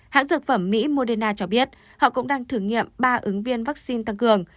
hãng dược phẩm mỹ moderna cho biết họ cũng đang thử nghiệm ba ứng viên vaccine tăng cường